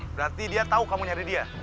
berarti dia tahu kamu nyari dia